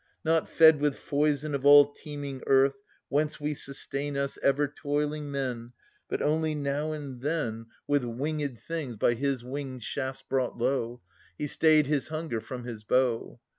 Not fed with foison of all teeming Earth Whence we sustain us, ever toiling men. But only now and then u 2 292 Philodetes [716 736 With winged things, by his win^d shafts brought low, He stayed his hunger from his bow.